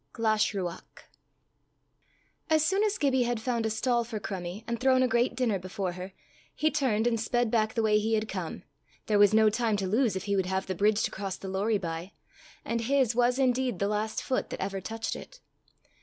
GLASHRUACH. As soon as Gibbie had found a stall for Crummie, and thrown a great dinner before her, he turned and sped back the way he had come: there was no time to lose if he would have the bridge to cross the Lorrie by; and his was indeed the last foot that ever touched it.